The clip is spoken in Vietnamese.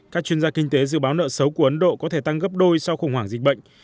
các chuyên gia kinh tế dự báo nợ xấu của ấn độ có thể tăng gấp đôi sau khủng hoảng dịch bệnh